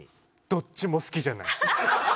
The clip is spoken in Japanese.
どっちも好きじゃない。